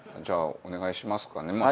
じゃあ、お願いしますかね。